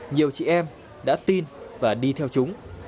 nhiều chị em đã tin và đi theo chúng